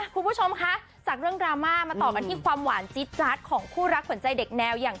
คุณผู้ชมคะจากเรื่องดราม่ามาต่อกันที่ความหวานจี๊ดจาดของคู่รักขวัญใจเด็กแนวอย่าง